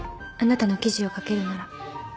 あなたの記事を書けるなら。